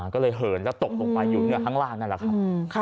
ก็เลยเหินแล้วตกลงไปอยู่เหนือข้างล่างนั่นแหละครับ